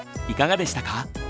いかがでしたか？